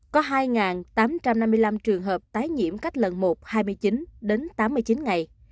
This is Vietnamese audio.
có hai tám trăm năm mươi năm trường hợp tái nhiễm cách lần một hai mươi chín đến tám mươi chín ngày